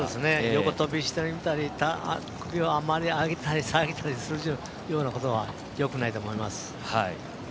横跳びしてみたり上げたり下げたりするようなことよくないと思います。